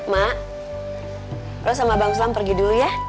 mak lo sama bang slam pergi dulu ya